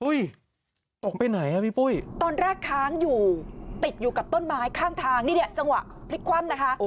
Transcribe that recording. ตกไปไหนอ่ะพี่ปุ้ยตอนแรกค้างอยู่ติดอยู่กับต้นไม้ข้างทางนี่เนี่ยจังหวะพลิกคว่ำนะคะ